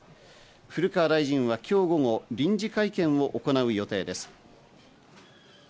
古川大臣は今日午後、臨時会見を行う予定です。